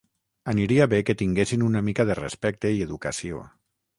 Aniria bé que tinguessin una mica de respecte i educació.